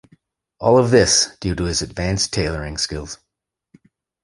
All of this, due to his advanced tailoring skills.